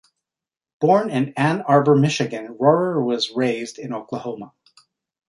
Born in Ann Arbor, Michigan, Rohrer was raised in Oklahoma.